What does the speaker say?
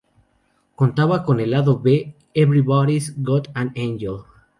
Contaba con el Lado B "Everybody's Got an Angel"